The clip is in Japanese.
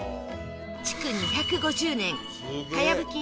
築２５０年かやぶき